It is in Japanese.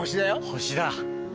星だ。